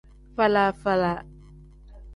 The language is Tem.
Faala-faala.